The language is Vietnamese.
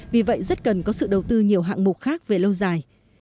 vì vậy rất cần có sự đầu tư nhiều hạng mục khác về lâu dài